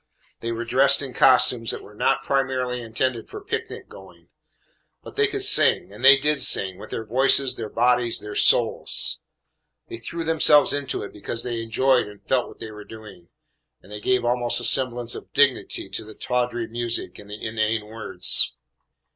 They were dressed in costumes that were not primarily intended for picnic going. But they could sing, and they did sing, with their voices, their bodies, their souls. They threw themselves into it because they enjoyed and felt what they were doing, and they gave almost a semblance of dignity to the tawdry music and inane words.